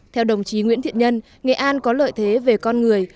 theo đồng chí nguyễn thiện nhân nghệ an có lợi thế về con người